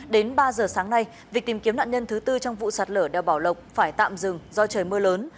đến ba giờ sáng nay việc tìm kiếm nạn nhân thứ tư trong vụ sạt lở đeo bảo lộc phải tạm dừng do trời mưa lớn